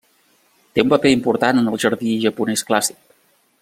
Té un paper important en el jardí japonès clàssic.